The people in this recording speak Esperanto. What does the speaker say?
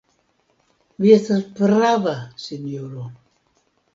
Vi estas prava, sinjoro.